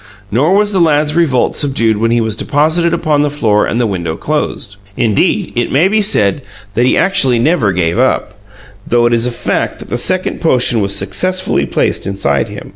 Nor was the lad's revolt subdued when he was deposited upon the floor and the window closed. Indeed, it may be said that he actually never gave up, though it is a fact that the second potion was successfully placed inside him.